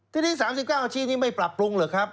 ทีนี้๓๙อาชีพนี้ไม่ปรับปรุงเหรอครับ